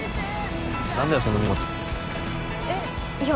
何だよその荷物えっいや